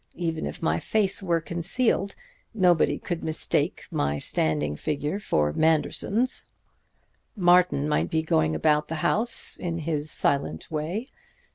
Even if my face were concealed, nobody could mistake my standing figure for Manderson's. Martin might be going about the house in his silent way.